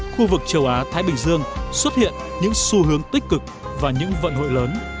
khu vực châu á thái bình dương xuất hiện những xu hướng tích cực và những vận hội lớn